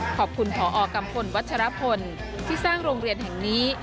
ขอบคุณพอกัมพลวัชรพลที่สร้างโรงเรียนแห่งนี้